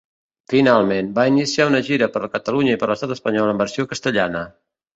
Finalment, va iniciar una gira per Catalunya i per l'Estat espanyol, en versió castellana.